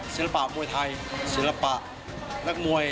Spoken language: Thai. ศิลปะมวยไทยศิลปะนักมวย